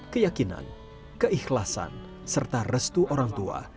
keyakinan keikhlasan serta restu orang tua